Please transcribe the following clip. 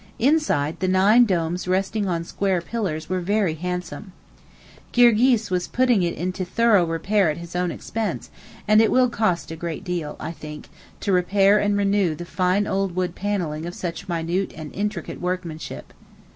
Inside, the nine domes resting on square pillars were very handsome. Girgis was putting it into thorough repair at his own expense, and it will cost a good deal, I think, to repair and renew the fine old wood panelling of such minute and intricate workmanship.